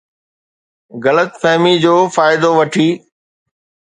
غلط فهمي جو فائدو وٺي